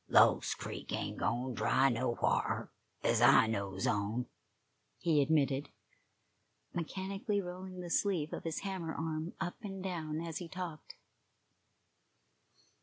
"Lost Creek ain't gone dry nowhar, ez I knows on," he admitted, mechanically rolling the sleeve of his hammer arm up and down as he talked.